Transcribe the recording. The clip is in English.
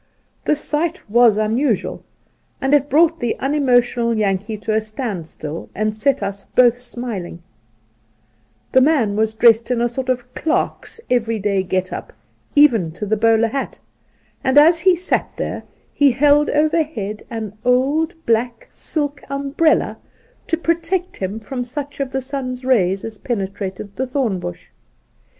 The sight was unusual, and it brought the unemotional Yankee to a standstill and set us both smiling, The man was dressed in a sort of clerk's everyday get up, even to the bowler hat, and as he sat there he held overhead an old black sUk umbrella to protect him from such of the sun's rays as penetrated the thorn bush.